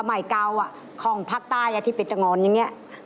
สมัยเก่าคล่องภาคใต้อาทิตย์เป็นตะงอนอย่างนี้